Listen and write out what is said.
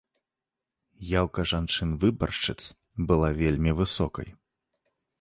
Яўка жанчын-выбаршчыц была вельмі высокай.